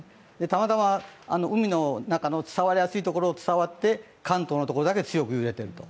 たまたま海の中の伝わりやすいところを伝わって関東のところだけ強く揺れていると。